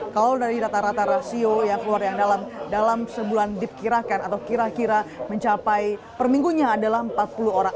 kalau dari rata rata rasio yang keluar yang dalam sebulan dipkirakan atau kira kira mencapai perminggunya adalah empat puluh orang